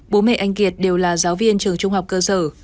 bố mẹ anh kiệt đều là giáo viên trường trung học cơ sở